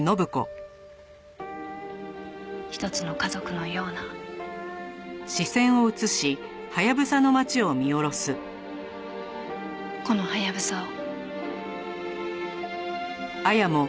一つの家族のようなこのハヤブサを。